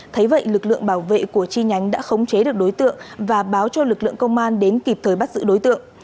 thấy vậy lực lượng bảo vệ của chi nhánh đã khống chế được đối tượng và báo cho lực lượng công an đến kịp thời bắt giữ đối tượng